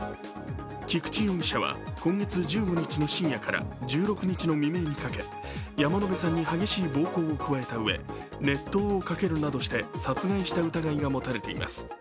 菊池容疑者は今月１５日の深夜から１６日の未明にかけて山野辺さんに激しい暴行を加えたうえ、熱湯をかけるなどして殺害した疑いが持たれています。